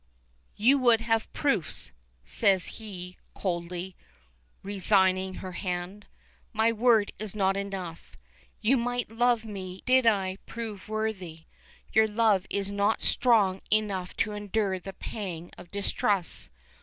"You would have proofs," says he, coldly, resigning her hand. "My word is not enough. You might love me did I prove worthy; your love is not strong enough to endure the pang of distrust.